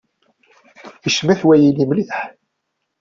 Icmet wayenni mliḥ.